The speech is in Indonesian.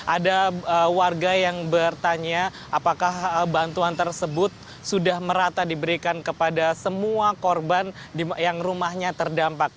ada warga yang bertanya apakah bantuan tersebut sudah merata diberikan kepada semua korban yang rumahnya terdampak